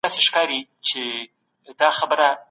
لويه جرګه د بېړنيو حالاتو لپاره رابلل کيږي.